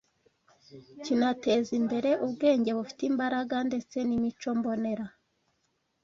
kinateza imbere ubwenge bufite imbaraga ndetse n’imico mbonera